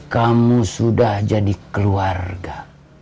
kamu sudah jadi keluarga